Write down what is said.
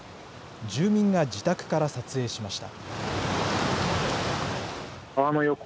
住民が自宅から撮影しました。